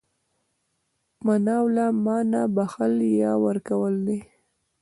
مناوله مانا بخښل، يا ورکول ده.